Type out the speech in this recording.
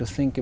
chúng sẽ là